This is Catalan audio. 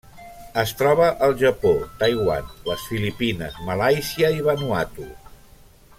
Es troba al Japó, Taiwan, les Filipines, Malàisia i Vanuatu.